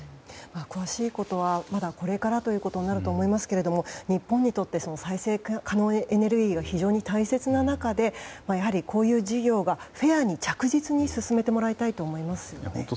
詳しいことはまだこれからということになると思いますが日本にとって再生可能エネルギーが必要な中でこういった事業はフェアに着実に進めてもらいたいと思いますよね。